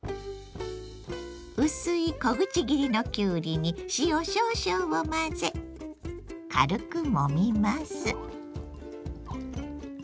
薄い小口切りのきゅうりに塩少々を混ぜ軽くもみます。